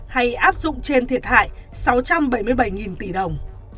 hay áp dụng trên thiệt hại sáu trăm bảy mươi bảy tỷ đồng